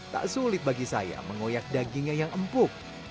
tak sulit bagi saya mengoyak dagingnya yang empuk